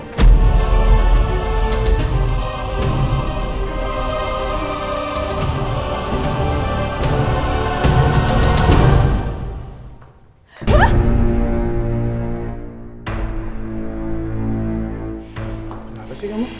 apa sih ibu